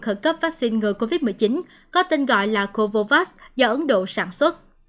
khẩn cấp vaccine ngừa covid một mươi chín có tên gọi là kovovas do ấn độ sản xuất